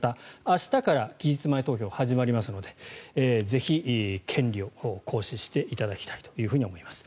明日から期日前投票が始まりますのでぜひ、権利を行使していただきたいと思います。